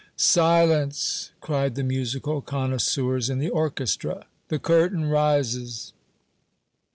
"Silence!" cried the musical connoisseurs in the orchestra. "The curtain rises."